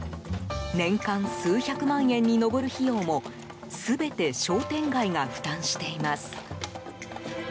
年間数百万円に上る費用も全て商店街が負担しています。